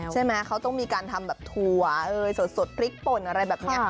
ใช่ไหมเขาต้องมีการทำแบบถั่วสดพริกป่นอะไรแบบนี้